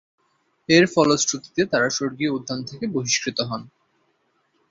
এর ফলশ্রুতিতে তারা স্বর্গীয় উদ্যান থেকে বহিষ্কৃত হন।